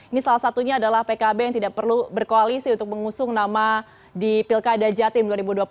ini salah satunya adalah pkb yang tidak perlu berkoalisi untuk mengusung nama di pilkada jatim dua ribu dua puluh